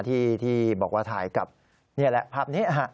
ที่บอกว่าถ่ายกับภาพนี้